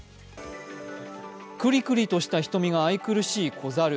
くりくりとした瞳が愛くるしい子猿。